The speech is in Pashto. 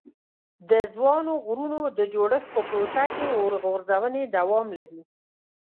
د ځوانو غرونو د جوړښت په پروسه کې اور غورځونې دوام لري.